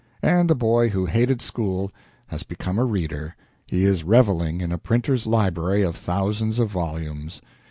And the boy who hated school has become a reader he is reveling in a printers' library of thousands of volumes.